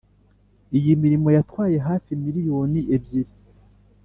Iyi mirimo yatwaye hafi miliyoni ebyiri